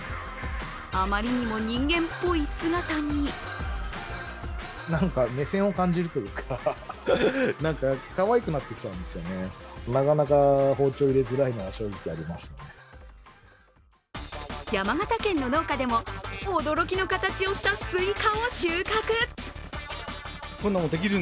あまりにも人間っぽい姿に山形県の農家でも驚きの形をしたスイカを収穫。